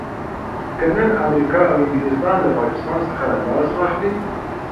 که نن امريکا او انګلستان له پاکستان څخه لاس واخلي.